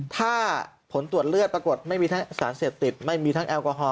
ถ้าผลตรวจเลือดปรากฏไม่มีทั้งสารเสพติดไม่มีทั้งแอลกอฮอล